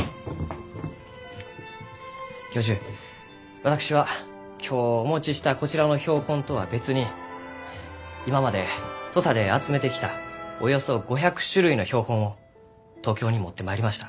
教授私は今日お持ちしたこちらの標本とは別に今まで土佐で集めてきたおよそ５００種類の標本を東京に持ってまいりました。